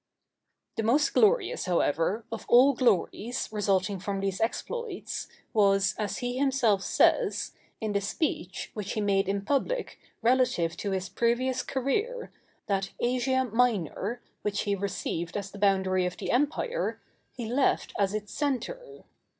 The most glorious, however, of all glories, resulting from these exploits, was, as he himself says, in the speech which he made in public relative to his previous career, that Asia Minor, which he received as the boundary of the empire, he left as its centre.